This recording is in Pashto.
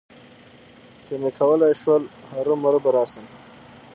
که مې کولای شول، هرومرو به راشم.